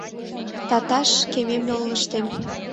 Таташ кемем йолыштем